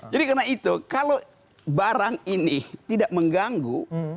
jadi karena itu kalau barang ini tidak mengganggu